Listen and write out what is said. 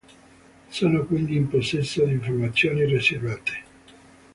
Sono, quindi, in possesso di informazioni riservate.